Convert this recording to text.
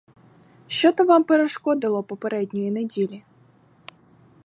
Що то вам перешкодило попередньої неділі?